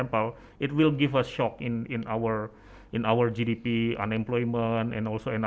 bahwa indonesia bisa bergerak secara berterusan